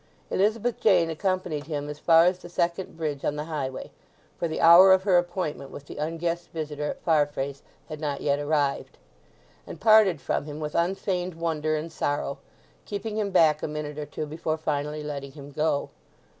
Elizabeth Jane accompanied him as far as the second bridge on the highway—for the hour of her appointment with the unguessed visitor at Farfrae's had not yet arrived—and parted from him with unfeigned wonder and sorrow, keeping him back a minute or two before finally letting him go.